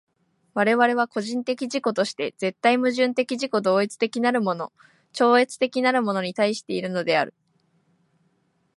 我々は個人的自己として絶対矛盾的自己同一的なるもの超越的なるものに対しているのである。